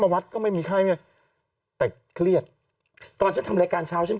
โฮมไอซอเลชั่นตุ๊ง